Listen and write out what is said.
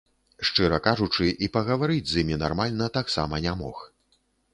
Шчыра кажучы, і пагаварыць з імі нармальна таксама не мог.